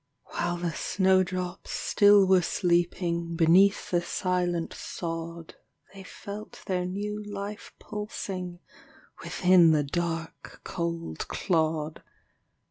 While the snow drops still were sleeping Beneath the silent sod; They felt their new life pulsing Within the dark, cold clod.